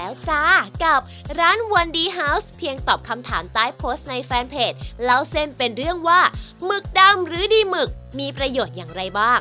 วันนี้เราก็ขอขอบคุณมากนะครับ